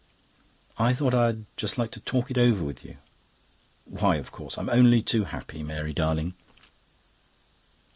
"I thought I'd just like to talk it over with you." "Why, of course; I'm only too happy, Mary darling."